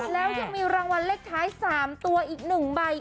แล้วยังมีรางวัลเลขท้าย๓ตัวอีก๑ใบ